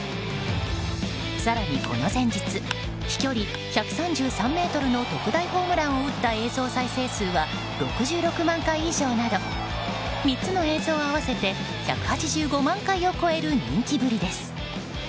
更に、この前日飛距離１３３ｍの特大ホームランを打った映像再生数は６６万回以上など３つの映像を合わせて１８５万回を超える人気ぶりです。